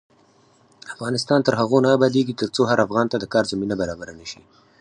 افغانستان تر هغو نه ابادیږي، ترڅو هر افغان ته د کار زمینه برابره نشي.